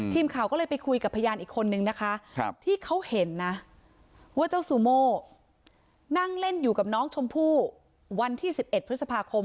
ทีมข่าวก็เลยไปคุยกับพยานอีกคนนึงนะคะที่เขาเห็นนะว่าเจ้าซูโม่นั่งเล่นอยู่กับน้องชมพู่วันที่๑๑พฤษภาคม